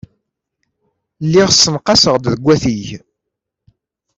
Lliɣ ssenqaseɣ-d deg watig.